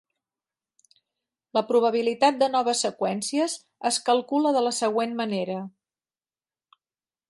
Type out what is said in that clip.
La probabilitat de noves seqüències es calcula de la següent manera.